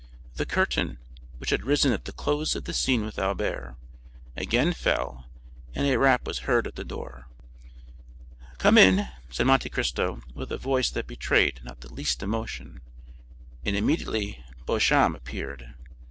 The curtain, which had risen at the close of the scene with Albert, again fell, and a rap was heard at the door. "Come in," said Monte Cristo with a voice that betrayed not the least emotion; and immediately Beauchamp appeared.